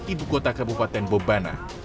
ibu kota kabupaten bumbana